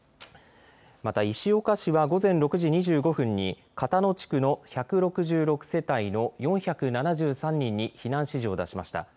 また石岡市は午前６時２５分に片野地区の１６６世帯の４７３人に避難指示を出しました。